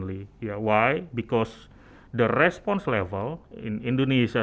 kenapa karena level respons di konsumen di indonesia